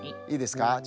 いいですか？